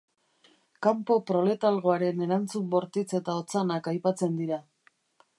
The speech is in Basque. Kanpo-proletalgoaren erantzun bortitz eta otzanak aipatzen dira.